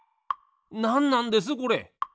なんなんですこれ？